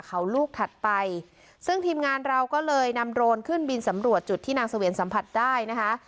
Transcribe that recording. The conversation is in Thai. เขาลูกถัดไปซึ่งทีมงานเราก็เลยนำโรนขึ้นบินสำรวจจุดที่นางเสวียนสัมผัสได้นะคะ